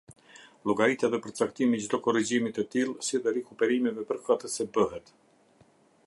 Llogaritja dhe përcaktimi i çdo korrigjimi të tillë, si dhe rikuperimeve përkatëse, bëhet.